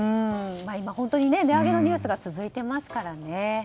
今、本当に値上げのニュースが続いていますからね。